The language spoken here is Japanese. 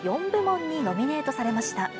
４部門にノミネートされました。